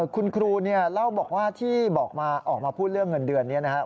คุณครูเนี่ยเล่าบอกว่าที่ออกมาพูดเรื่องเงินเดือนนี้นะครับ